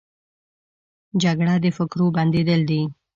جګړه د فکرو بندېدل دي